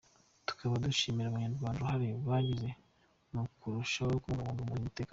Tukaba dushimira abanyarwanda uruhare bagize mu kurushaho kubungabunga uyu mutekano.”